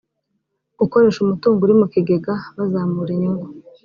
gukoresha umutungo uri mu kigega bazamura inyungu